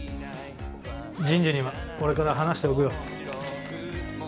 人事には俺から話しておくよ。